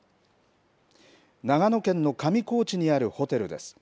長野県の上高地にあるホテルです。